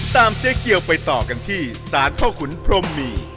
ตามเจ๊เกียวไปต่อกันตีสารโพธิพรมมี